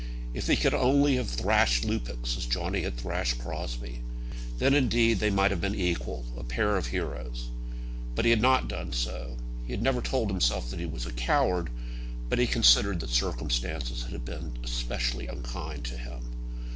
If he could only have thrashed Lupex as Johnny had thrashed Crosbie; then indeed they might have been equal, a pair of heroes. But he had not done so. He had never told himself that he was a coward, but he considered that circumstances had been specially unkind to him.